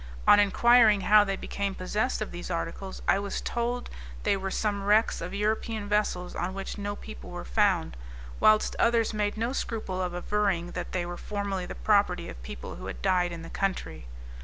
On enquiring how they became possessed of these articles, I was told they were some wrecks of European vessels on which no people were found, whilst others made no scruple of averring that they were formerly the property of people who had died in the country.